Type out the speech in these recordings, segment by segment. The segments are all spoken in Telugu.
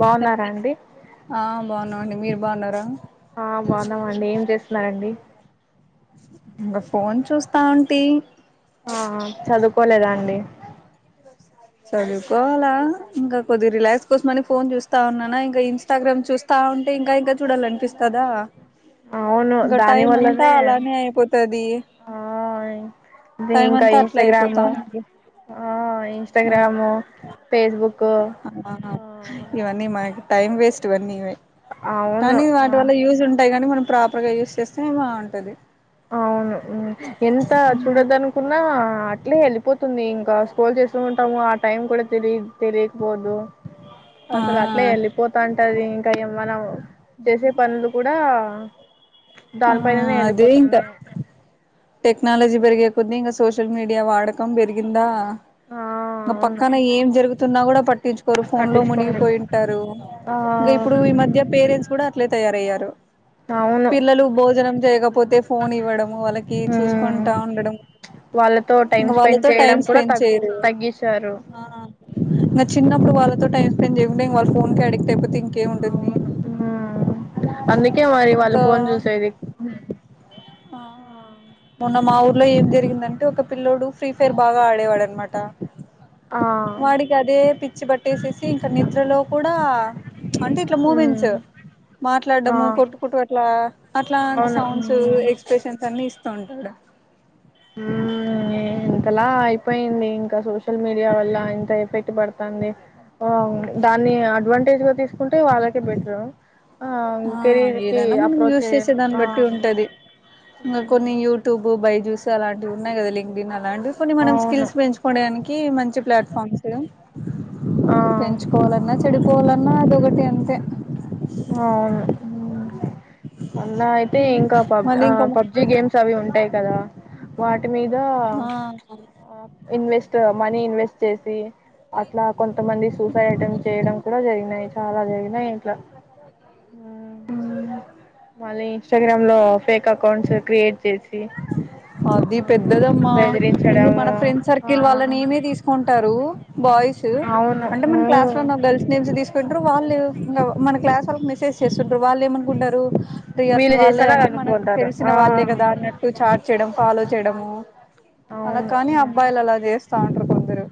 బాగున్నారా అండి బాగున్నా అండి మీరు బాగున్నారా ఆ బాగున్నామండీ ఏం చేస్తున్నారండి ఇంకా ఫోన్ చూస్తా ఉంటి ఆ చదువుకోలేదా అండి చదువుకోవాలా ఇంకా కొద్దిగా రిలాక్స్ కోసం కోసమని అని ఫోన్ చూస్తా ఉన్నానా ఇంకా ఇంస్టాగ్రామ్ చూస్తా ఉంటే ఇంకా ఇంకా చూడాల అనిపిస్తదా అవును ఇగ దాని టైం అంతా వల్లనే అలానే అయిపోతది ఆ టైం ఇంకా అంతా అట్లే ఇంస్టాగ్రామ్ అయిపోతాంది ఆ ఆ ఇంస్టాగ్రామ్ ఫేస్బుక్ ఆ ఇవన్నీ మాకు టైం వేస్ట్ ఇవన్నీవే అవును కానీ వాటి ఆ వల్ల యూజ్ ఉంటాయి కానీ మనం ప్రాపర్ గా యూస్ చేస్తే బాగుంటది అవును ఎంత చూడద్దనుకున్నా అట్లే వెళ్ళిపోతుంది ఇంకా స్క్రోల్ చేస్తూ ఉంటాము ఆ టైం కూడా తెలి తెలియకపోదు ఆ అసలు అట్లే ఎళ్ళి పోతా అంటది మనం చేసే పనులు కూడా ఆ దానిపైనే అదే వెళ్ళిపోత టెక్నాలజీ పెరిగే కొద్దిగా సోషల్ మీడియా వాడకం పెరిగిందా ఆ ఇంకా అవును పక్కన ఏం జరుగుతు తున్నా కూడా పట్ట ట్టించుకోరు ఫోన్ లో పట్టించుకోరు మునిగిపోయింటారు ఆ ఇంకా ఇప్పుడు ఈ మధ్య పేరెంట్స్ కూడా అట్లే తయారయ్యారు అవును పిల్లలు భోజనం చేయకపోతే ఫోన్ ఇవ్వడం వాళ్ళకి మ్మ్ చూసుకుంటా ఉండడం వాళ్ళతో టైం ఇంగా వాళ్ల స్పెండ్ తో చేయడం టైమ్ కూడా స్పెండ్ తగ్గు చేయడం తగ్గించారు ఆ ఇంగా చిన్నపు ఇప్పు వాళ్ళతో టైమ్ స్పెడ్ చేయ కుంటే ఇంగా వాళ్ళు ఫోన్ కే అడిక్ట్ అయిపోతే ఇంక్ అవును ఆ అందుకే మరి వాళ్ళు ఇంకా ఫోన్ చూసేది ఆ మొన్న మా ఊర్లో ఏం జరిగిందంటే ఒక పిల్ల్లోడు ఫ్రీ ఫైర్ బాగా ఆడేవాడు అనమాట ఆ వాడికి అదే పిచ్చి పట్టేసేసి ఇంకా నిద్రలో కూడా అంటే ఇట్లా మ్మ్ మూవెన్స్ ఆ మాట్లాడము కొట్టుకుంటు అట్లా అట్లాంటి అవును సౌండ్స్ మ్మ్ ఎక్స్ప్రెషన్స్ అన్నిీ ఇస్తూంటాడు హు ఇంతలా అయిపోయింది ఇంకా సోషల్ మీడియా వల్ల ఇంత ఎఫెక్ట్ పడుతది దాన్ని అడ్వాంటేజ్ గా తీ ంటే వాళ్ళకే బెట్టరు ఆ ఏదైనా మనం యూస్ చేసే దాన్ని ఆ బట్టి ఉమ్ ఉంటది ఇంకా కొన్ని యూట్యూబ్ బైజూస్ అలాంటివి ఉన్నాయి కదా అండి అలాంటివి కొన్ని మనం అవును స్కిల్స్ పెంచుకోవడానికి కి మంచి ప్లాట్ఫామ్స్ ఆ పెంచుకోవాలన్నా చెడిపోవాలన్నా అదొకటి అంతే మన్నయి అయితే ఇంకా పబ్ మళ్ళీ ఆ ఇంకా పబ్జి గేమ్స్ అవి ఉంటాయి కదా వాట్ మీద ఆ ఆ ఇన్వెస్ట్ మనీ ఇన్వెస్ట్ చేసి అట్లా కొంతమంది సూసైడ్ అటెంప్ట్ చేయడం కూడా జరిగినాయి చాలా జరిగినయి ఇంట్ ఆ మళ్ళీ ఇన్స్టాగ్రామ్ లో ఫేక్ అకౌంట్స్ క్రియేట్ చేసి అది పెద్దదమ్మా ఇది బెదిరించడం మన ఫ్రెండ్ ఆ సర్కిల్ వాళ్ళనే తీసుకుంటారు బాయ్స్ అవును అంటే మన క్లాస్ లో మ్మ్ ఉన్న గర్ల్స్ నేమ్స్ తీసుకు చంటారు వాళ్ళు మన క్లాస్ వాళ్ల కి మెసేజ్ చేస్తుంటారు వాళ్ళు ఏమనుకుంటరు ఇగ వీళ్ళు వాళ్ళే చేసారు అని అంటే మనకు అనుకుంటారు తెలిసిన ఆ వాళ్ళే కదా అన్నట్టు చాట్ చేయడం ఫాలో చేయడము అలా అవును కాని అబ్బాయిలు అలా చేస్త అంటారు కొందరు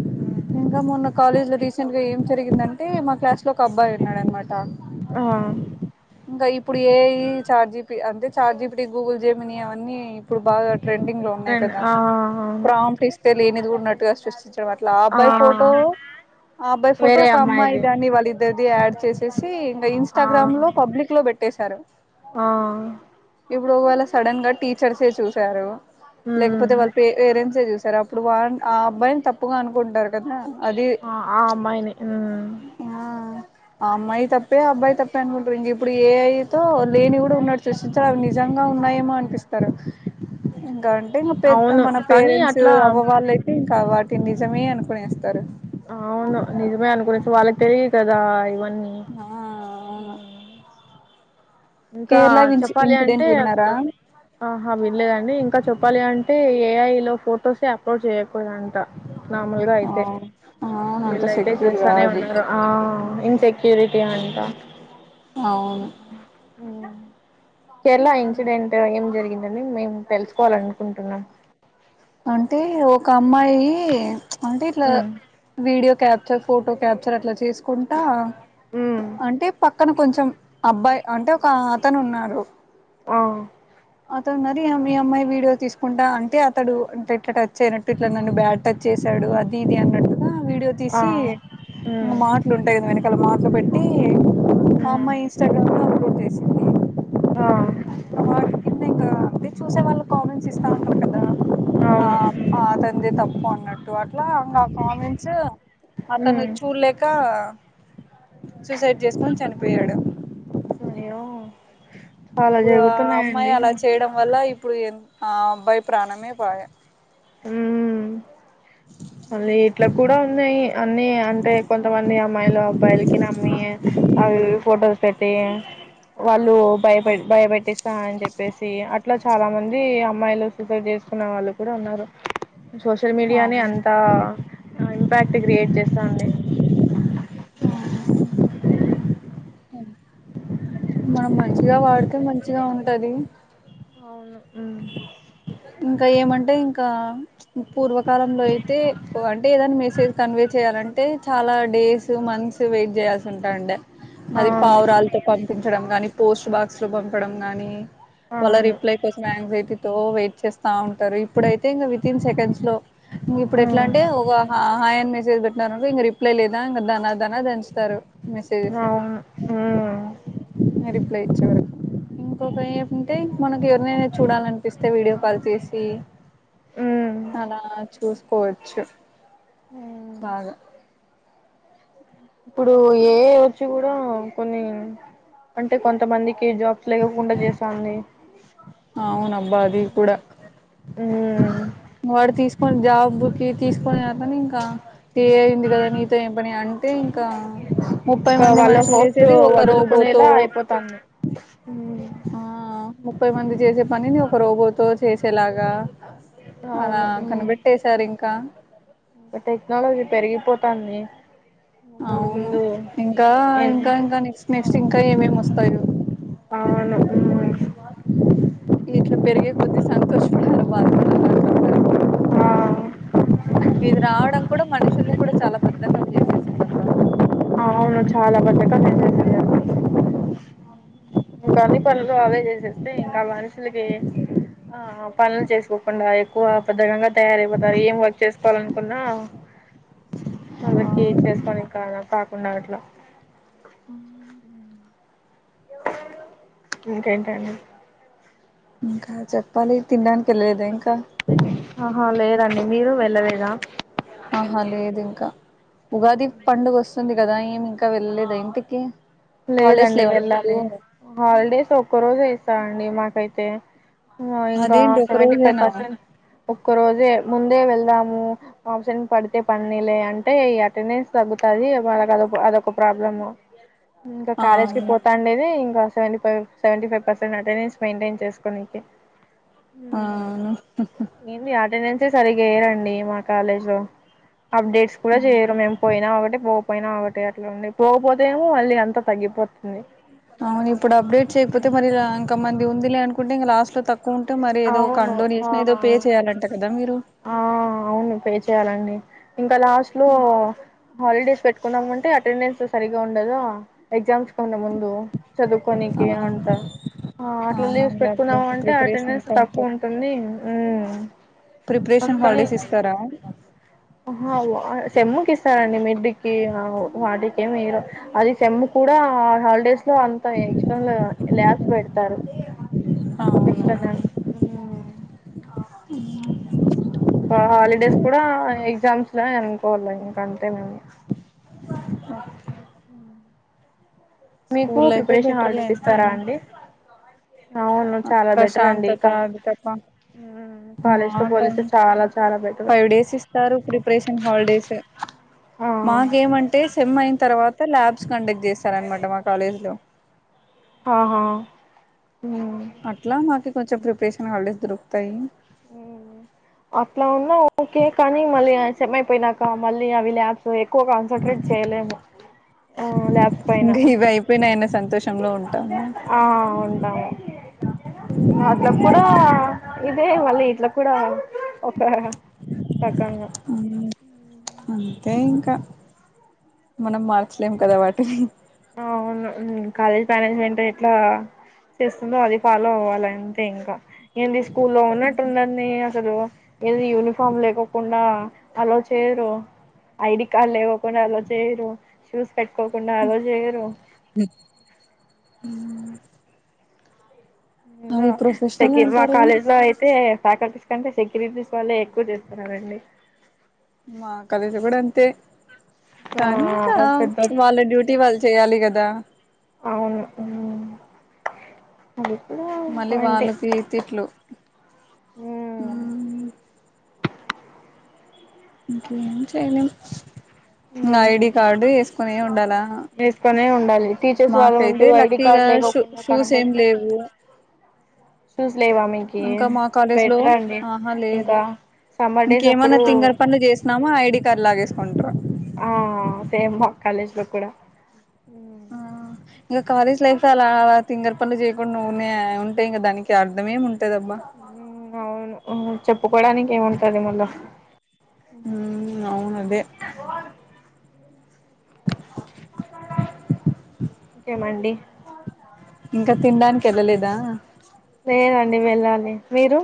ఉమ్ ఇంకా మొన్న కాలేజ్ లో రీసెంట్ గా ఏం జరిగిందంటే మా క్లాస్ లో ఒక అబ్బాయి ఉన్నాడు అన్నమాట ఆ ఆ ఇంకా ఇప్పుడు ఏ చాట్ జీపీటీ అంటే చాట్ జీపీటీ గూగుల్ జెమిని అవన్నీ ఇప్పుడు బాగా ట్రెండింగ్ లో ఉన్నాయి ఫ్రెండ్ కదా ఆ అవును ప్రాంప్ట్ ఇస్తే లేనిది కూడా అన్నట్టుగా సృష్టి అట్ల ఆ అబ్బాయి ఫోటో ఆ అబ్బాయి ఫోటో వేరే ఒక అమ్మాయి అమ్మాయిది దండి వాళ్ళది ఇద్దరిది యాడ్ చేసేసి ఇంకా ఆ ఇన్స్టాగ్రామ్ లో పబ్లిక్ లో పెట్టేసారు ఆ ఇప్పుడు వాళ్ళ సడెన్ గా టీచర్సే చూశారు మ్మ్ లేకపోతే వాళ్ళ పే పేరెంట్స్ చూస్త సార్ అప్పుడు వా ఆ అబ్బాయిని తప్పుగా అనుకుంటారు కదా అది ఆ ఆ అమ్మాయిని ఆ ఆ అమ్మాయి తప్పే ఆ అబ్బాయి తప్పే అనుకుంటారు ఇంక ఇప్పుడు ఏఐ తో లేనివి కూడా ఉన్నట్టు సృష్టిస్తారు అవి నిజంగా ఉన్నాయేమో అనిపిస్తారు ఇంకా అంటే పెద్ద అవును మన కానీ పేరెంట్స్ అట్లా అవ్వ వాళ్ళ అయితే ఇంకా నిజమే అనుకున్న ఇప్పుడే వేస్తారు అవును నిజమే అనుకునే వాళ్ళకి తెలియదు కదా ఇవన్ని ఆ ఆ ఆ ఇంకా చెప్పాలి అంటే ఇన్సిడెంట్ విన్నారా అసలు ఆహా విళ్లేదండి ఇంకా చెప్ప చెప్పాలి అంటే ఏఐ లో ఫొటోసే అప్లోడ్ చేయకూడ అంట నార్మూల్గా అయితే అవును అవును అంత వీళ్ళయితే సెక్యూర్ చేస్తానే కాదు ఉన్నారు ఆ ఇన్సెక్యూరిటీ అంట అవును కేరళ ఇన్సిడెంట్ ఏం జరిగిందండి మేము తెలుసుకోవాల అనుకుంటున్నాం అంటే ఒక అమ్మాయి అంటే ఇట్లా ఉమ్ వీడియో క్యాప్ ఫోటో క్యాప్చర్ అట్లా చేసుకుంటా ఉమ్ అంటే పక్క అక్కడ కొంచెం అబ్బాయి అంటే ఒక అతను ఉన్నాడు ఆ అతడు మరి మీ అమ్మాయి వీడియో తీసుకుంటా అంటే అతడు అంట ఇట్లా టచ్ చేయనట్టు ఇట్లా నన్ను బ్యాడ్ టచ్ చేసాడు అది ఇది అన్నట్టుగా వీడియో ఆ తీసి ఇంకా ఉమ్ మాటలుంటాయి కదా వెన క్కల మాట్లు పెట్టి మా ఉమ్ అమ్మాయి ఇన్స్టా్రామ్ లో అప్లోడ్ చేసి ఆ అది చూసే వాళ్ళ కామెంట్స్ ఇస్తా ఉంటారు కదా అవును తండ్రి తప్పు పన్నటు అట్లా ఫమెస్ అతను ఉమ్ చూడలేక సూసైడ్ చేసుకొని చనిపోయాడు అయ్యో చాలా ఇప్పుడు ఆ అమ్మాయి జరుగుతున్నాయండి అలా చేయడం వల్ల ఇప్పుడు ఎ అబ్బాయి ప్రాణమే పోయా ఉ మళీ ఇట్లా కూడా ఉన్నాయి అన్నిీ అంటే కొంతమంది అమ్ మ మాైలో మొబైలికి అమ్మీ ఆ ఫోటోస్ పెటి వాళ్ళు నువ్ భయపెట్ భయపెట్టిస్తా అని చెప్పేసి అట్లా చాలా మంది అమ్మాయిలు రూపాయి చేసుకున్న వాళ్ళు కూడా ఉన్నారు ఈ సోషల్ మీడియా నే అవును అంత్ ఆ ఆమె ఇంపాక్ట్ క్రియేట్ చేస్తాంది హై మనం మంచిగా వాడితే మంచిగా ఉంటది అవును ఉమ్ ఇంకా ఏమంటే ఇంకా పూర్వకాలంలో అయితే ఓ అంటే ఏదన్ మెసేజ్ కన్వే చేయాలంటే చాలా డేస్ మంత్స్ వెయిట్ చేయాల్సి ఉంటాండె ఆ అది పావురాలతో పంపించడం గాని పోస్ట్ బాక్స్ లో పంపడం కానీ వాళ్ళ అవును రిప్లై కోసం యాంగ్జైటీ ఓ వెయిట్ చేస్తా ఉంటారు ఇప్పుడయితే ఇంకా వితిన్ సెకండ్స్ లో ఇంగ ఇప్పుడు ఎట్లా ఉమ్ అంటే ఒగ హాయ్ అని మెసేజ్ పెటినరనుకో ఇంక రిప్లై లేదా ఇంకా ధనాధనా దచ్చుతారు అవును ఉ లే ఇచ్చేవరకు ఇంకొక ఏమింటే మనకు ఎవరినైనా చూడాలంటే ఇస్తే వీడియో కాల్ చేసి ఉమ్ అలాచు చూసుకోవచ్చు ఉమ్ బాగా ఇప్పుడు ఏ వచ్చి కూడా కొన్ని అంటే కొంతమందికి జాబ్స్ లేకుండా చేసాంది అవును అబ్బా అది కూడా ఉమ్ వాడు తీసిక్ కోను జాబ్బుకి తీసుకొని అత్ కానీ ఇంకా ఏఐ ఉంది కదా నీతో ఏం పని అంటే ఇంకా ముప్పై ఇంకా మంది వాళ్ళ మనుషులు హోప్స్ చేసేది ఒక రోబోతో వదులుకునేలా అయిపోతాంది మ్మ్ ఆ ముప్పై మంది చేసే పని ఈ ఒక రోబోతో చేసేలాగా అలా అవును ఉ కనిపెట్టేశారు ఇంకా ఇంకా టెక్నాలజీ పెరిగిపోత్ పన్ని అవును ఇంకా ఏం ఇంకా ఇంకా నెక్స్ట్ మేన్ సిన్ కా ఏం ఏం వస్తాయో అవును ఉ ఇట్లా పెరిగే కొద్ది సంతోషపడారు బ ఆ ఇది రావడం కూడా మనుషుల్ని కూడా చాలా బద్దకం చేసేసింది అక్క అవును చాలా బద్దకం చేసేసింది అందరిని ఇంకా అన్ని పనులు అవే చేసేస్తే ఇంకా మనుషులకి ఆ పనులు చేసుకోకుండా ఎక్కువ బద్ధకంగా తయారైపోతారు ఏం వర్క్ చేసుకోవాల అనుకున్నా వాళ్ళకి చేసుకోనికి కాన్ కాకుండా అట్లా ఇంకేంటండి ఇంకా చెప్పాలి తినడానికి వెళ్ళలేద ఇంకా ఆహా లేదండి మీరు వెళ్ళలేదా ఆహా లేదు ఇంకా ఉగాది పండుగ వస్తుంది కదా ఏమి ఇంకా వెళ్ళలేదా ఇంటికి హాలిడేస్ లేదండి లేవా మీకు వెళ్ళాలి హాలిడేస్ ఒక్క రోజు ఇస్తారు అండి మాకైతే ఆ ఇంకా అదేంటి ఒక సెవెంటీఫైవ్ రోజేనా పర్సెంట్ ఒక రోజే ముందే వెళ్దాము అబ్సెంట్ పడితే పన్నీలే అంటే ఈ అటెండెన్స్ తగ్గుతాది వాళ్ళకి అదొ అదొక ప్రాబ్లము ఇంకా ఆ కాలేజ్ కి పోతాండేది ఇంకా seven five seventy five percent attendance maintain చేసుకోనెకే ఊ అవును ఏంది అటెండెన్స్ అంటే సరిగా వేయ్యరండి మా కాలేజ్ లో అప్డేట్స్ కూడా చేయరు మేము పోయినా ఒక్కటే పోకపోయినా ఒకటి అట్లా ఉండి పోకపోతే ఏమో మళ్ళీ అంత తగ్గిపోత్ అవును ఇప్పుడు అప్డేట్ చేయకపోతే మరి రా ఇంకా మ ఉందిలే అనుకుంటే ఇంగ లాస్ట్ లో తక్కు అవును ఆ చేయాలంట కదా మీరు ఆ అవును పే చేయాలండి ఇంకా లాస్ట్లో హాలిడేస్ పెట్ అనుకున్నామంటే అటెండెన్స్ సరిగా ఉండదా ఎగ్జామ్స్ కి ముందు ఆ చదువుకోనికి అంట ఆ అట్లా లీవ్స్ అవునవును పెట్టుకున్నాం అప్పుడు అంటే ప్రిపరేషన్ అటెండెన్స్ అంతా తక్కువ ఉంటది ఉంటుంది ఊ ప్రిపరేషన్ అందుకని హాలిడేస్ ఇస్తారా అహా సెమ్ముకి ఇస్తారండి మిడ్డుకి వాటికి ఏమి ఇవ్వరు అది సెమ్ముకి కూడా హాలిడేస్ లో అంత ఎక్స్టర్నల్ లాబ్స్ పెడతారు అవునా ఎక్స్టర్నల్ ఊ ఆ హాలిడేస్ కూడా ఎగ్జామ్స్ లో అనుకోవాలి ఇంకా అంతే మేము ఒకే మీకు స్కూల్ లైఫే ప్రిపరేషన్ బెటర్ లే హాలిడేస్ ఎంత ఇస్తారా అయినా అండి అవును చాలా బెటర్ అండి ప్రశాంతత కా అది తప్ప మా కాలేజ్ తో కా పోలిస్తే చాలా చాలా బెటర్ ఫైవ్ డేస్ ఇస్తారు ప్రిపరేషన్ హాలిడేస్ మాకేమం సెమ్ అయిన తర్వాత ల్యాబ్స్ కండెక్ట్ చేస్తారనమాట మా కాలేజ్ లో ఆహా అట్లా మాకు కొంచం ప్రిపరేషన్ హాలిడేస్ దొరుకుతాయి అట్లా అన్నా ఓకే కానీ మళ్ళీ సెమ్ ఐపోయినక మళ్ళీ అవి లాబ్ సో ఎక్కువ కాన్సన్ట్రేట్ చేయలేము లాబ్స్ పైన ఇంకా ఇవి అయిపోయినాయన్న సంతోషంలో ఉంటాము ఆ ఉంటాము అట్లప్పుడు ఇది అదే మళ్ళీ ఇట్లా కూడా ఒక రకంగా అయిే ఇంకా మనం మార్చలేము కదా వాటిని అవును కాలేజ్ మేనేజ్మెంట్ ఎట్లా చేస్తుందో అది ఫాలో అవ్వాల అంతే ఇంకా నం తీసుకు స్కూ లో ఉన్నట్టుందడి అసలు ఏద యూనిఫార్మ్ లేకోకుండా అలో చేయరు ఐడి కార్డ్ లేకోకుండా అలో చేయరు షూస్ పెట్టుకోకుండా ఆ రోజు అవి ప్రొఫెషనల్ సక మా అంటారు కాలేజ్ లో అయితే ఫ్యాకల్టీ ఎందుకంటే సెక్యూరిటీస్ వాళ్ళ ఎక్కువ చేస్తున్నారంండి మా కలిసి కూడా అంతే కానీ ఇంకా ఆ పెద్ద వాళ్ళ డ్యూటీ వాళ్ళు చేయాలి కదా అదా అవును అది కూడా మళ్ళీ పాయింటే వాళ్ళకి తిట్లు మ్మ్ ఇకే ఇ ఐడి మ్మ్ కార్డు వేసుకుొని ఉండాలా వేసుకొనే ఉండాలి టీచర్స్ వాళ్ళ మాకైతే ముందు ఐడి లక్కీగా కార్డ్ షూ లేకుండా షూస్ ఏం కనపడితే లేవు షూస్ లే ఇంకా మా కాలేజ్ లో ఆహా లేదు ఇంకా సమ్మర్ డేస్ అప్పుడు ఇంకేమన్నా తింగర్ పనులు చేసినామా ఐడి కార్డు లాగేసు ఉంట ఆ సేమ్ మా కాలేజ్ బ కూడాడా ఆ ఇంకా కాలేజ్ లైఫ్ లో అలా అ తింగర పండ్లు చేయకుండా న ఉంటాయి ఇంకా దానికి అర్ధమేమి ఉంటా పెట్టదమ్మా మ్ అవును చెప్పుకోవడానికి ఏముంటంది మళ ఉ అవును అదే కేమండి ఇంకా తినడానికి వెళ్ళలేదా లేేదండి వెళ్ళాలి మీరు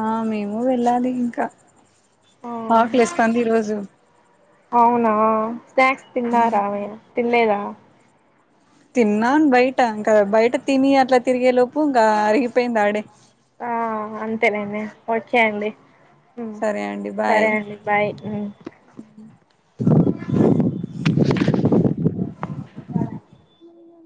ఆ మేము వెళ్ళాలి ఇంకా ఆ అక్లేస్తంది ఈ రోజు అవునా స్నాక్స్ తిన్నారా తినలేదా తిన్నాను బయట ఇంకా బయట తిని అట్లా తిరిగేలోపు ఇంకా అరిగిపోయింది ఆడే ఆ అంతేనండి ఓకే అండి మ్మ్ సరే అండి సరే బాయ్ అండి బాయ్ మ్మ్